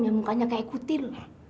yang mukanya kayak kutil